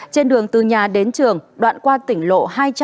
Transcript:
trên đường từ nhà đến trường đoạn qua tỉnh lộ hai trăm tám mươi sáu